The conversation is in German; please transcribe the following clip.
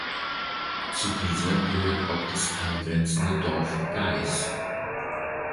Zu dieser gehört auch das angrenzende Dorf Gais.